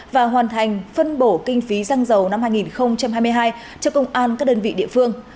và hoàn thành phân bổ kinh phí xăng dầu năm hai nghìn hai mươi hai cho công an các đơn vị địa phương